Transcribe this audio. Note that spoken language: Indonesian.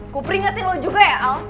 gue peringatin lo juga ya al